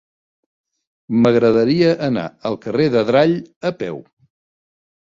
M'agradaria anar al carrer d'Adrall a peu.